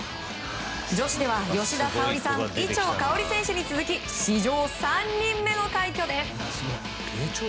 女子では吉田沙保里さん伊調馨選手に続き史上３人目の快挙です。